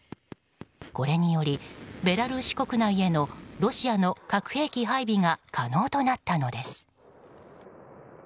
これにより、ベラルーシ国内へのロシアの核兵器配備が可能となったのです。